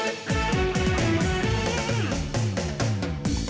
ไม่ซักหน่อย